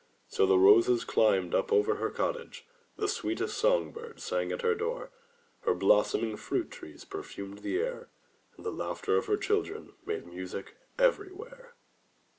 So the roses climbed up over her cottage, the sweetest song birds sang at her door, her blossoming fruit trees perfumed the air, and the laughter of her children made music everywhere.